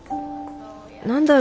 何だろう